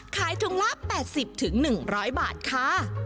ขายถุงละ๘๐๑๐๐บาทค่ะ